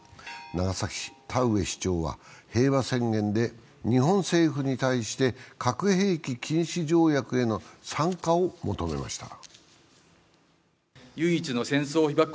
長崎市の田上市長は平和宣言で日本政府に対して核兵器禁止条約への参加を求めました。